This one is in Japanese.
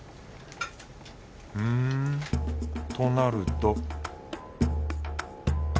ふんとなると